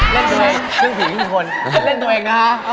เล่นตัวเอง